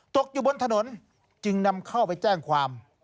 ตกอยู่บนถนนจึงนำเข้าไปแจ้งความ